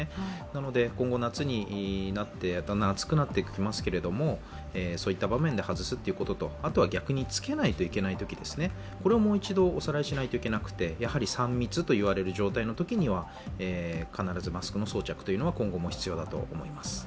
なので、今後夏になってだんだん暑くなってきますが、そういった場面で外すということと、逆に着けないといけないとき、これをもう一度、おさらいしないといけなくて３密といわれる状態のときには必ずマスクの装着は今後も必要だと思います。